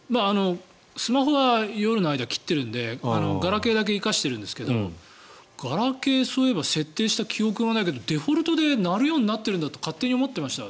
スマホは夜の間、切ってるのでガラケーだけ生かしてるんですがガラケー、そういえば設定した記憶はないけどデフォルトで鳴るようになってるんだと勝手に思っていました。